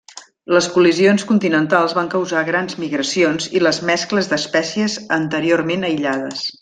Les col·lisions continentals van causar grans migracions i les mescles d'espècies anteriorment aïllades.